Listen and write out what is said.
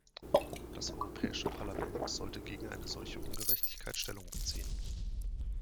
Das Europäische Parlament sollte gegen eine solche Ungerechtigkeit Stellung beziehen.